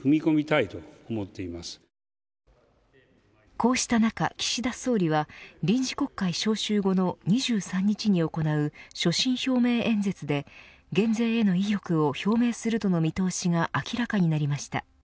こうした中、岸田総理は臨時国会招集後の２３日に行う所信表明演説で減税への意欲を表明するとの見通しが明らかになりました。